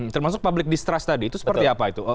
termasuk public distrust tadi itu seperti apa itu